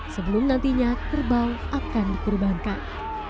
sebelum nantinya kerbau akan dikurbankan